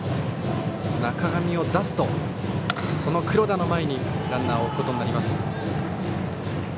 中上を出すと、その黒田の前にランナーを置くことになります。